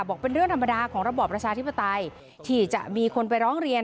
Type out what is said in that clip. บอกเป็นเรื่องธรรมดาของระบอบประชาธิปไตยที่จะมีคนไปร้องเรียน